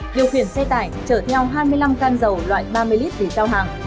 điều khiển xe tải chở theo hai mươi năm can dầu loại ba mươi lít để giao hàng